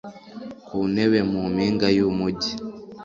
ku ntebe, mu mpinga y'umugi